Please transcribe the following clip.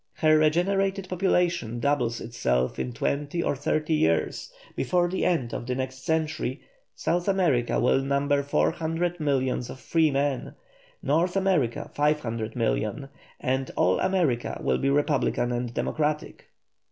Her regenerated population doubles itself in twenty or thirty years; before the end of the next century South America will number four hundred millions of freemen, North America five hundred millions, and all America will be Republican and Democratic.